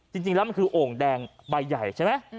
จริงแล้วมันคือโอ่งแดงใบใหญ่ใช่ไหม